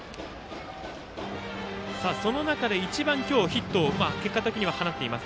その中で一番、ヒットを結果的には放っています。